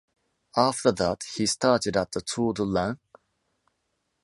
After that, he started at the Tour de l'Ain.